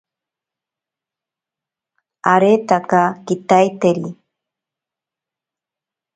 Aretaka kitaiteri.